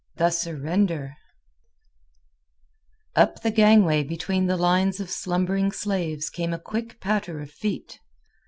THE SURRENDER Up the gangway between the lines of slumbering slaves came a quick patter of feet.